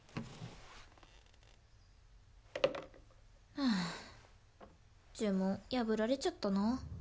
はぁ呪文破られちゃったな。